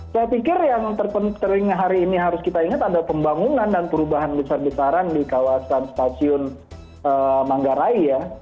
saya pikir yang terpenting hari ini harus kita ingat ada pembangunan dan perubahan besar besaran di kawasan stasiun manggarai ya